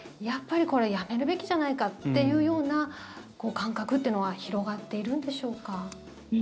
やっぱりこれはやめるべきじゃないかという感覚というのは広がっているんでしょうか？